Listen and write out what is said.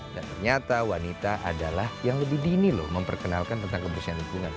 dan ternyata wanita adalah yang lebih dini loh memperkenalkan tentang kebersihan lingkungan